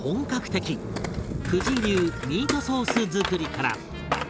藤井流ミートソース作りから。